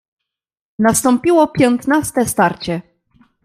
"Nastąpiło piętnaste starcie."